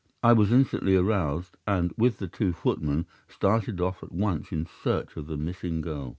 I was instantly aroused, and, with the two footmen, started off at once in search of the missing girl.